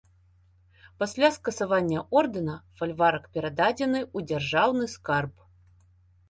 Пасля скасавання ордэна, фальварак перададзены ў дзяржаўны скарб.